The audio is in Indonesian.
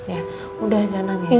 ya udah jangan nangis